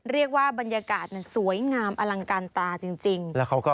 เรียกว่าบรรยากาศสวยงามอลังการตาจริง